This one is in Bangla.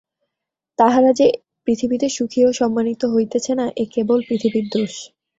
তাহারা যে পৃথিবীতে সুখী ও সম্মানিত হইতেছে না, এ কেবল পৃথিবীর দোষ।